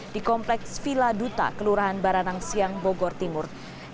di kompleks villa duta kelurahan baranang siang bogor timur